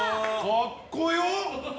かっこよ！